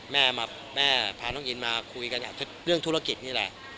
แม่พาน้องอินมาคุยกันเรื่องธุรกิจนี่แหละ